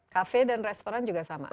kafe dan restoran juga sama